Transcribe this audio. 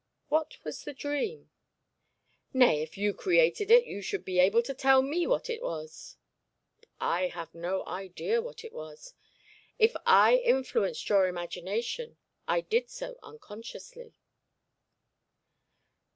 'What was the dream?' 'Nay, if you created it you should be able to tell me what it was.' 'I have no idea what it was; if I influenced your imagination I did so unconsciously.'